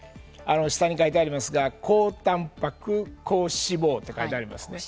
下に書いてありますが高たんぱく、高脂肪と書いてありますね。